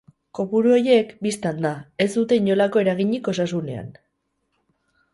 Kopuru horiek, bistan da, ez dute inolako eraginik osasunean.